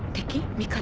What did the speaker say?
味方？